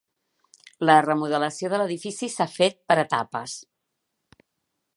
La remodelació de l'edifici s'ha fet per etapes.